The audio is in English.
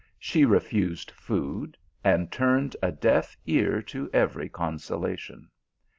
She refused food, and turned a deaf ear to every consolation.